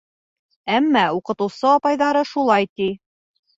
Әммә уҡытыусы апайҙары шулай ти.